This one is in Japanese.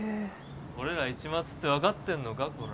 俺ら市松って分かってんのかこらぁ。